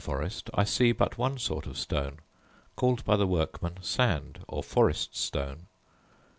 In Wolmer forest I see but one sort of stone, called by the workmen sand, or forest stone.